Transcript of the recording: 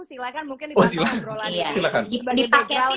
silahkan mungkin di pasangin di bawah